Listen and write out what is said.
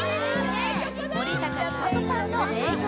森高千里さんの名曲